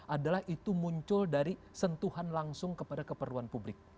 adalah itu muncul dari sentuhan langsung kepada keperluan publik